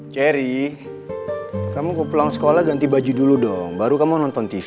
cherry kamu pulang sekolah ganti baju dulu dong baru kamu nonton tv